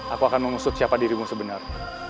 aku akan mengusut siapa dirimu sebenarnya